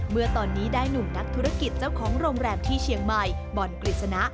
เมื่อตอนนี้ได้หนุ่มนักธุรกิจเจ้าของโรงแรมที่เชียงใหม่บอลกฤษณะ